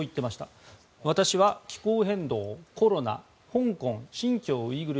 私は気候変動、コロナ香港、新疆ウイグル